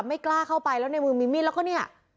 ไม่กล้าเข้าไปแล้วในมือมีมีดแล้วก็เนี่ย